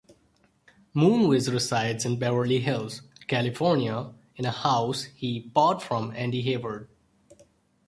Moonves resides in Beverly Hills, California, in a house he bought from Andy Heyward.